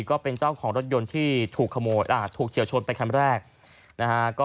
ก็เป็นเจ้าของรถยนต์ที่ถูกเฉียวชนไปครั้งแรก